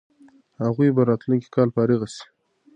هغوی به راتلونکی کال فارغ سي.